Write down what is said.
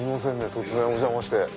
突然お邪魔して。